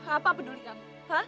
apa peduli kamu